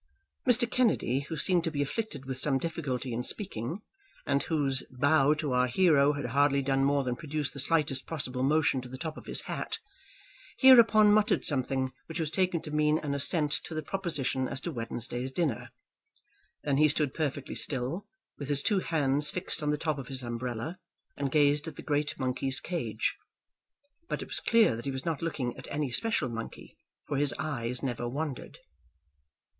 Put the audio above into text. Mr. Kennedy, who seemed to be afflicted with some difficulty in speaking, and whose bow to our hero had hardly done more than produce the slightest possible motion to the top of his hat, hereupon muttered something which was taken to mean an assent to the proposition as to Wednesday's dinner. Then he stood perfectly still, with his two hands fixed on the top of his umbrella, and gazed at the great monkeys' cage. But it was clear that he was not looking at any special monkey, for his eyes never wandered.